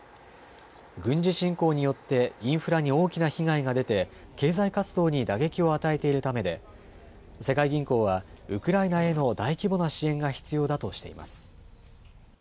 軍事侵攻によってインフラに大きな被害が出て経済活動に打撃を与えているためで世界銀行はウクライナへの大規模な支援が必要だとしています。